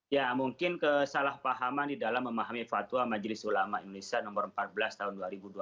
ya mungkin kesalahpahaman di dalam memahami fatwa majelis ulama indonesia nomor empat belas tahun dua ribu dua puluh